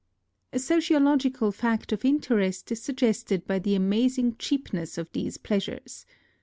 A sociological fact of interest is suggested by the amazing cheapness of these pleasures.